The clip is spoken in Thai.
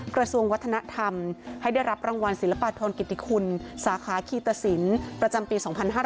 กระทรวงวัฒนธรรมให้ได้รับรางวัลศิลปะทนกิติคุณสาขาคีตสินประจำปี๒๕๕๙